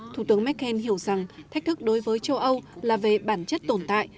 thủ tướng merkel hiểu rằng thách thức đối với châu âu là về bản chất tồn tại